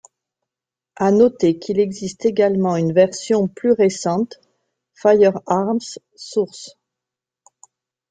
À noter qu'il existe également une version plus récente, Firearms: Source.